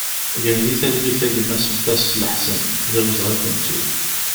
Gen di talwit a gma Sebbas Laḥsen, d awezɣi ad k-nettu!